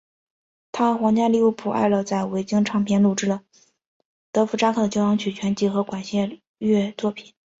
他和皇家利物浦爱乐在维京唱片录制了德佛札克的交响曲全集和管弦乐作品。